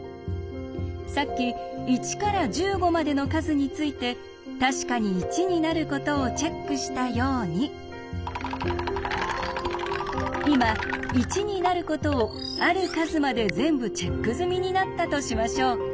さっき１から１５までの数について確かに１になることをチェックしたように今１になることをある数まで全部チェック済みになったとしましょう。